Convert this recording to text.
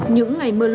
những ngày mưa lũ